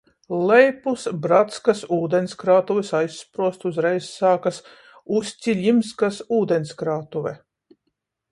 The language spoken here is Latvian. Lejpus Bratskas ūdenskrātuves aizsprosta uzreiz sākas Ustjiļimskas ūdenskrātuve.